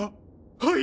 はい。